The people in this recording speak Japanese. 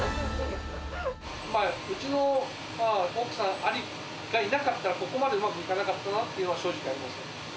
うちの奥さんがいなかったら、ここまでうまくいかなかったなというのは正直あります。